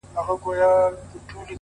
o وي د غم اوږدې كوڅې په خامـوشۍ كي ـ